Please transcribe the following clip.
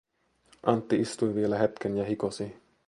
Antti istui vielä hetken ja hikosi.